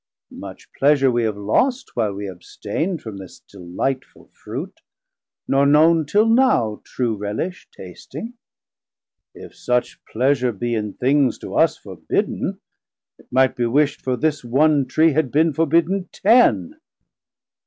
Much pleasure we have lost, while we abstain'd From this delightful Fruit, nor known till now True relish, tasting; if such pleasure be In things to us forbidden, it might be wish'd, For this one Tree had bin forbidden ten.